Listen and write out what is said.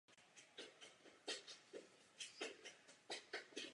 Měli bychom o této věci diskutovat v rámci pracovní skupiny?